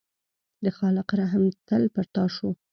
د خالق رحم تل پر تا شو.